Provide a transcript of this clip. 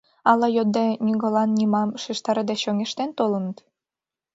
Ала йодде, нигӧлан нимом шижтарыде чоҥештен толыныт?